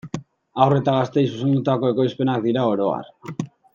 Haur eta gazteei zuzendutako ekoizpenak dira oro har.